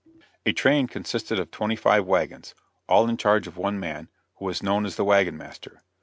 A train consisted of twenty five wagons, all in charge of one man, who was known as the wagon master.